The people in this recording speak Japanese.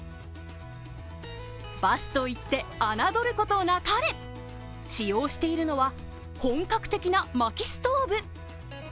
バスといって、侮ることなかれ使用しているのは本格的なまきストーブ。